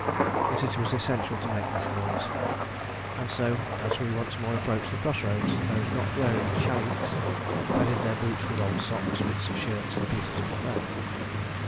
But it was essential to make less noise, and so, as we once more approached the cross roads, those not wearing "chariqs" padded their boots with old socks, bits of shirt, and pieces of felt.